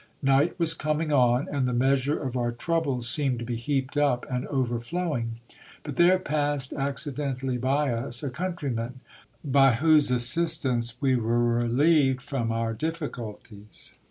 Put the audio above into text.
Night was coming on, and the measure of our troubles seemed to be heaped up and overflowing. But there passed accidentally by us a countryman, by whose as sistance we were relieved from our difficulties.